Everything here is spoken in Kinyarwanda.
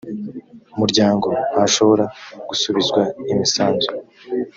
muryango ntashobora gusubizwa imisanzu